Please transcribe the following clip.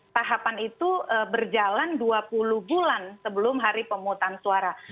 tahapan itu berjalan dua puluh bulan sebelum hari pemutusan suara